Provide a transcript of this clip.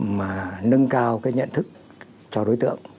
mà nâng cao cái nhận thức cho đối tượng